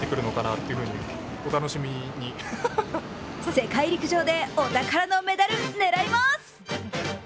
世界陸上でお宝のメダル、狙います。